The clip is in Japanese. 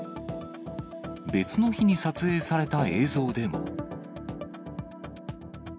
別の日に撮影された映像でも。